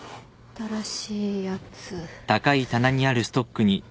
新しいやつ。